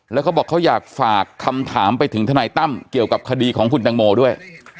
แล้วเขาบอกเขาอยากฝากคำถามไปถึงทนายตั้มเกี่ยวกับคดีของคุณตังโมด้วย